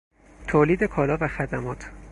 تولید کالاها و خدمات